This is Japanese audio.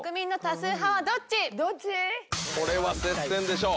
これは接戦でしょう。